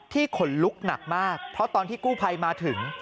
ขนลุกหนักมากเพราะตอนที่กู้ภัยมาถึง